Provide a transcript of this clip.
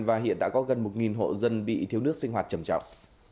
và hiện đã có gần một hộ dân bị thiếu nước sinh hoạt trầm trọng